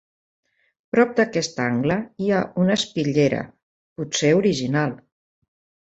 Prop d'aquest angle hi ha una espitllera, potser original.